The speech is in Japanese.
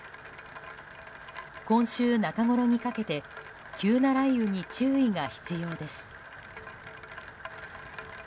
今週中ごろにかけて急な雷雨に注意が必要です。